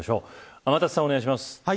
天達さん、お願いします。